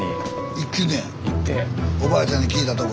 スタジオおばあちゃんに聞いたとこ。